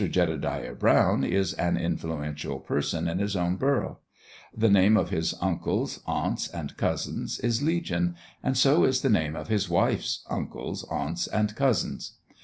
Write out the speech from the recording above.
Jedediah Brown is an influential person in his own borough; the name of his uncles, aunts, and cousins, is legion; and so is the name of his wife's uncles, aunts, and cousins.